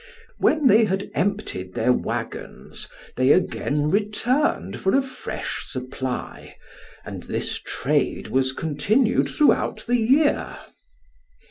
When they had emptied their waggons, they again returned for a fresh supply ; and this trade was continued throughout the year.